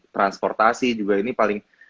transportasi juga ini paling